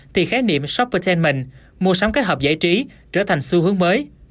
thì khái niệm shophertenman mua sắm kết hợp giải trí trở thành xu hướng mới